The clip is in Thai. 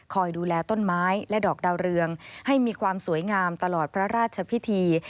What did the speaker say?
ดูแลต้นไม้และดอกดาวเรืองให้มีความสวยงามตลอดพระราชพิธี